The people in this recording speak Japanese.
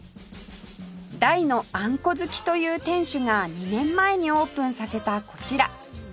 大のあんこ好きという店主が２年前にオープンさせたこちら